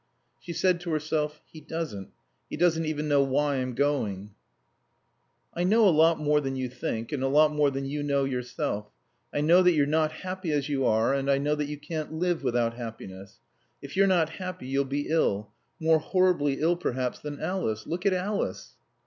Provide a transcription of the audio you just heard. She said to herself: "He doesn't. He doesn't even know why I'm going." "I know a lot more than you think. And a lot more than you know yourself. I know that you're not happy as you are, and I know that you can't live without happiness. If you're not happy you'll be ill; more horribly ill, perhaps, than Alice. Look at Alice."